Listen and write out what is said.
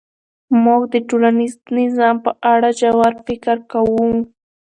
موږ د ټولنیز نظام په اړه ژور فکر کوو.